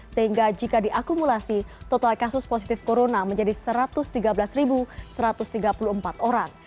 sehingga jika diakumulasi total kasus positif corona menjadi satu ratus tiga belas satu ratus tiga puluh empat orang